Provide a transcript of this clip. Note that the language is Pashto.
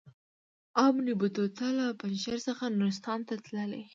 ابن بطوطه له پنجشیر څخه نورستان ته تللی.